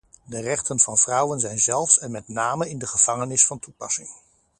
De rechten van vrouwen zijn zelfs en met name in de gevangenis van toepassing.